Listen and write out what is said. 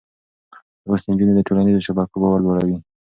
لوستې نجونې د ټولنيزو شبکو باور لوړوي.